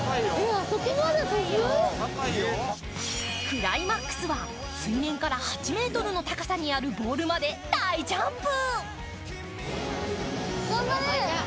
クライマックスは水面から８ｍの高さにあるボールまで大ジャンプ。